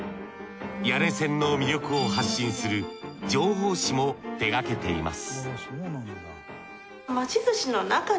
谷根千の魅力を発信する情報誌も手がけています